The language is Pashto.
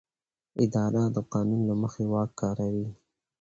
اداره د قانون له مخې واک کاروي.